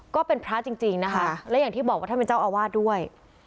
ก็เป็นพระจริงนะคะและอย่างที่บอกว่าท่านเป็นเจ้าอาวาสด้วย